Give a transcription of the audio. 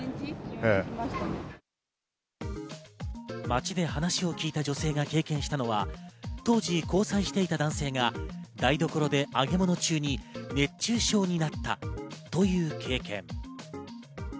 街で話を聞いた女性が経験したのは、当時、交際していた男性が台所で揚げ物中に熱中症になったという経験。